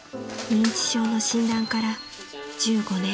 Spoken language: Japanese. ［認知症の診断から１５年］